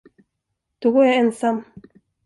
Då går jag ensam.